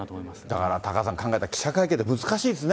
だからタカさん、考えたら、記者会見って、難しいですね。